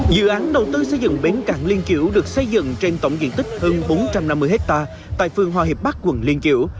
dự án đầu tư xây dựng bến cảng liên chiểu được xây dựng trên tổng diện tích hơn bốn trăm năm mươi hectare tại phương hoa hiệp bắc quần liên chiểu